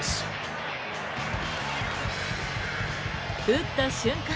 打った瞬間